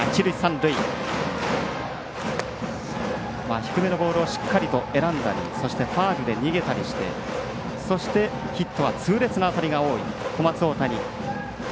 低めのボールをしっかり選んだりそして、ファウルで逃げたりしてヒットは痛烈な当たりが多い小松大谷。